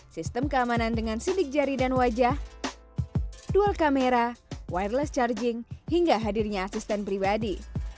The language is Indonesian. sistem keamanan dengan sidik jari dan wajah dual kamera wireless charging hingga hadirnya asisten pribadi